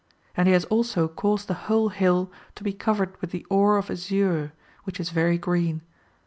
And he has also caused the whole hill to be covered with the ore of azure, ^^ which is very green.